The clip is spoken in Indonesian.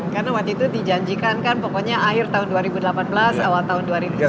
karena waktu itu dijanjikan kan pokoknya akhir tahun dua ribu delapan belas awal tahun dua ribu sembilan belas